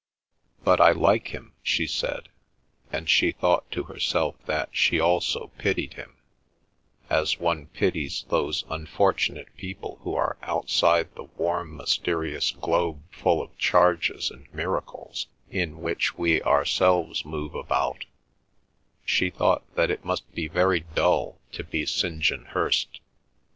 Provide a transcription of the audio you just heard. "But I like him," she said, and she thought to herself that she also pitied him, as one pities those unfortunate people who are outside the warm mysterious globe full of changes and miracles in which we ourselves move about; she thought that it must be very dull to be St. John Hirst.